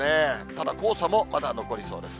ただ、黄砂もまだ残りそうです。